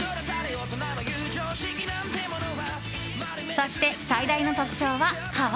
そして、最大の特徴は皮。